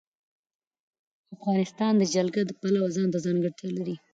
افغانستان د جلګه د پلوه ځانته ځانګړتیا لري.